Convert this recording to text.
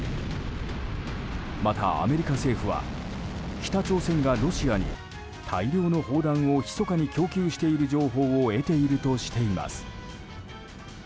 またアメリカ政府は北朝鮮がロシアに大量の砲弾をひそかに供給している情報を得ているとしています。